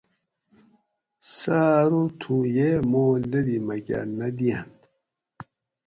سہ ارو تھوں ییہ ماس لدی مکہ نہ دیئنت